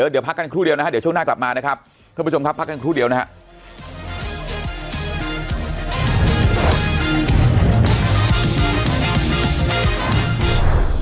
เดี๋ยวพักกันครู่เดียวนะฮะเดี๋ยวช่วงหน้ากลับมานะครับท่านผู้ชมครับพักกันครู่เดียวนะครับ